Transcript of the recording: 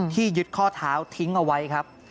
ยึดข้อเท้าทิ้งเอาไว้ครับ